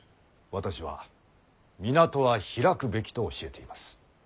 私は港は開くべきと教えています。